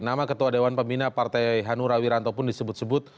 nama ketua dewan pembina partai hanura wiranto pun disebut sebut